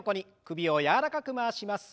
首を柔らかく回します。